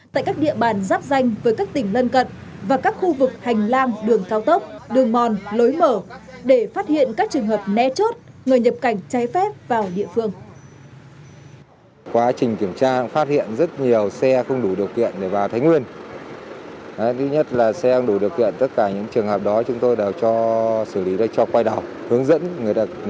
tại các địa bàn rắp danh với các tỉnh lân cận và các khu vực hành lang đường cao tốc đường mòn lối mở để phát hiện các trường hợp né chốt người nhập cảnh trái phép vào địa phương